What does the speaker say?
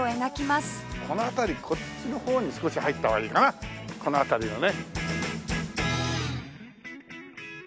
このあたりこっちの方に少し入った方がいいかなこのあたりのね。